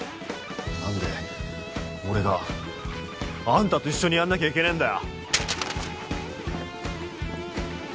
何で俺があんたと一緒にやんなきゃいけねえんだよ